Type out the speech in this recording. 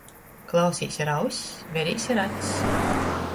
Klausīs ar auss, verīs ar acs!